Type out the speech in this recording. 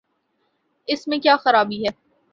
اس میں کیا خرابی ہے؟